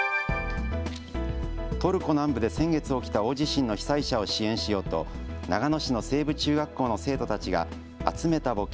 トルコ南部で先月起きた大地震の被災者を支援しようと長野市の西部中学校の生徒たちが集めた募金